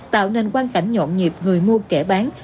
tạo nên quan cảnh nhộn nhịp người mua kẻ bán